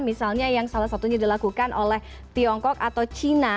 misalnya yang salah satunya dilakukan oleh tiongkok atau china